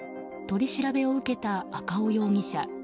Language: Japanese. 取り調べを受けた赤尾容疑者。